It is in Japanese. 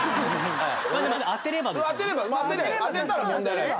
当てたら問題ない。